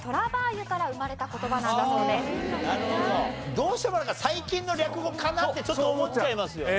どうしてもなんか最近の略語かなってちょっと思っちゃいますよね。